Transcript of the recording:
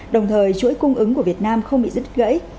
đồng thời chuỗi cung ứng của việt nam không bị rứt gãy